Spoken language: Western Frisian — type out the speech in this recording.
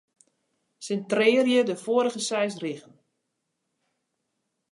Sintrearje de foarige seis rigen.